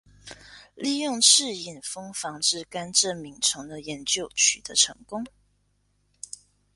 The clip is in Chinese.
利用赤眼蜂防治甘蔗螟虫的研究取得成功。